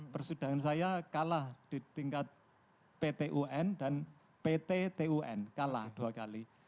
persidangan saya kalah di tingkat pt un dan pt tun kalah dua kali